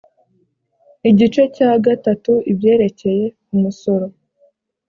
igice cya gatatu ibyerekeye umusoro